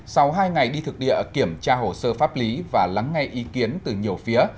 sau hai ngày đi thực địa kiểm tra hồ sơ pháp lý và lắng nghe ý kiến từ nhiều phía